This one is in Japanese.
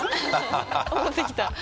持ってきた。